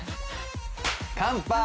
「乾杯！